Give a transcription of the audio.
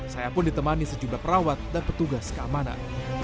saya pun ditemani sejumlah perawat dan petugas keamanan